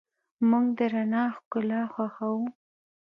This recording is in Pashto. موږ د رڼا ښکلا خوښو.